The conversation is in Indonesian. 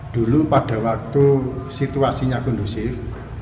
dulu pada waktu situasinya kondusif